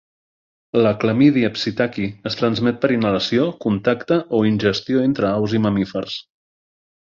La "Chlamydia psittaci" es transmet per inhalació, contacte o ingestió entre aus i mamífers.